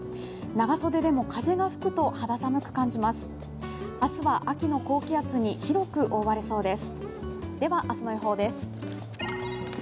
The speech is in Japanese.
長袖でも風が吹くと肌寒く感じます、明日は秋の高気圧に広く覆われそうです。